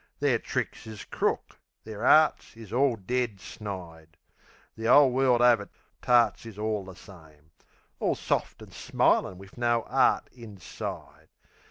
Their tricks is crook, their arts is all dead snide. The 'ole world over tarts is all the same; All soft an' smilin' wiv no 'eart inside.